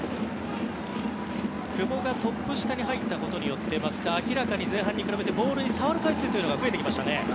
久保がトップ下に入ったことによって明らかに前半に比べてボールに触る回数が増えてきましたね。